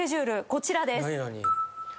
こちらです。